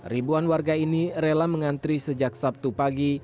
ribuan warga ini rela mengantri sejak sabtu pagi